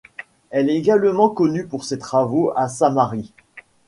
Elle est également connue pour ses travaux à Samarie.